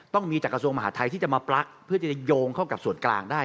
ต้องมีจากกระทรวงมหาทัยที่จะมาปลั๊กเพื่อจะโยงเข้ากับส่วนกลางได้